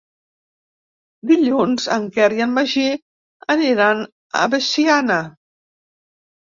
Dilluns en Quer i en Magí aniran a Veciana.